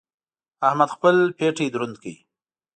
احمد خپل پېټی دروند کړ.